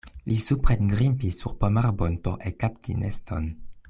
Li suprengrimpis sur pomarbon por ekkapti neston.